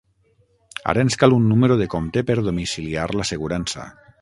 Ara ens cal un número de compte per domiciliar l'assegurança.